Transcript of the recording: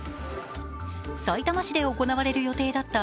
さいたま市で行われる予定だった